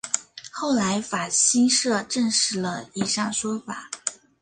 后来法新社证实了以上说法。